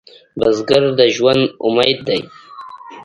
بزګر د ژوند امید دی